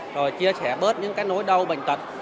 rồi chia sẻ bớt những cái nỗi đau bệnh tật